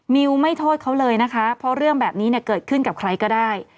มิวไม่โทษเขาเลยนะคะเพราะเรื่องแบบนี้เนี่ยเกิดขึ้นกับใครก็ได้